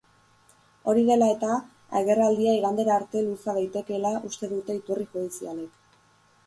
Hori dela-eta, agerraldia igandera arte luza daitekeela uste dute iturri judizialek.